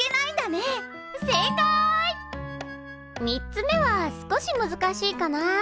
３つ目は少し難しいかな。